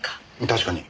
確かに。